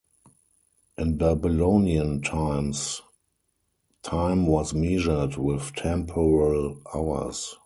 In Babylonian times, time was measured with temporal hours.